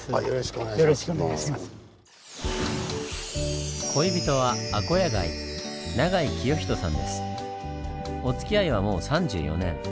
おつきあいはもう３４年。